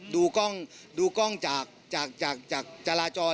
ดูกล้องจากจราจร